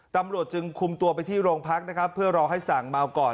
ตำรวจจึงคุมตัวไปที่โรงพักนะครับเพื่อรอให้สั่งเมาก่อน